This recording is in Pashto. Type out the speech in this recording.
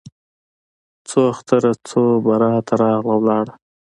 څو اختره څو براته راغله ولاړه